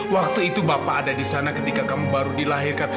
waktu itu bapak ada disana ketika bahkan kamu barulah dilahirkan